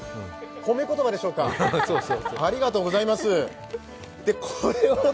褒め言葉でしょうか、ありがとうございます。